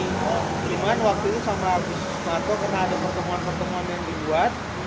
kunjungan waktu itu sama agus suparto karena ada pertemuan pertemuan yang dibuat